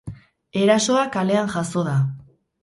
Erasoa kalean jazo da.